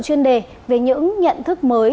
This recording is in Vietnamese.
chuyên đề về những nhận thức mới